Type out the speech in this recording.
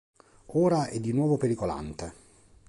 Ora è di nuovo pericolante.